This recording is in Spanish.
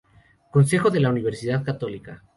Consejero de la Universidad Católica.